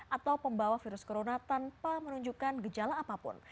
atau pembawa virus corona tanpa menunjukkan gejala apapun